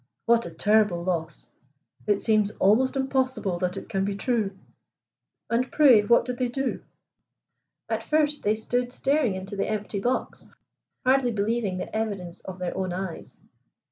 What a terrible loss! It seems almost impossible that it can be true. And pray, what did they do?" "At first they stood staring into the empty box, hardly believing the evidence of their own eyes.